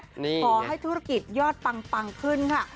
ขอให้ธุรกิจยอดปังขึ้นค่ะ